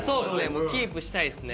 もうキープしたいですね。